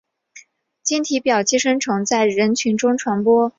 经体表寄生虫在人群中传播。